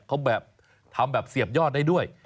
เขาแบบทำแบบเสียบยอดได้ด้วย